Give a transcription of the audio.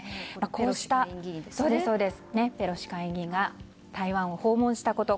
こうしたペロシ下院議員が台湾を訪問したこと。